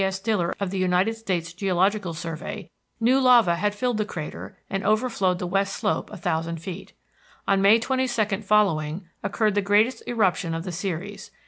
S. Diller of the United States Geological Survey, new lava had filled the crater and overflowed the west slope a thousand feet. On May 22 following occurred the greatest eruption of the series.